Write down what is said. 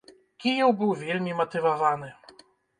Кіеў быў вельмі матываваны.